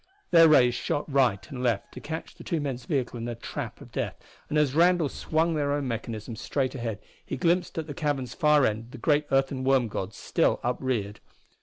Their rays shot right and left to catch the two men's vehicle in a trap of death, and as Randall swung their own mechanism straight ahead he glimpsed at the cavern's far end the great earthen worm god still upreared.